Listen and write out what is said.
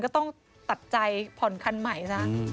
ก็ต้องตัดใจผ่อนคันใหม่ซะ